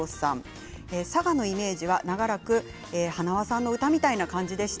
佐賀のイメージは長らくはなわさんの歌みたいな感じでした。